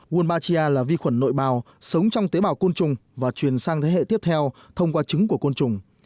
won batia là vi khuẩn nội bào sống trong tế bào côn trùng và truyền sang thế hệ tiếp theo thông qua trứng của côn trùng